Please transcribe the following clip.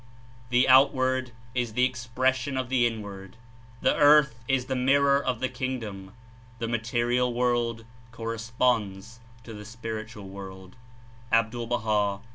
^'The outward is the expression of the inward; the earth is the mirror of the Kingdom; the material world corresponds to the spiritual worlds (Abdul Baha'.